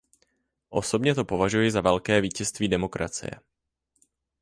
Osobně to považuji za velké vítězství demokracie.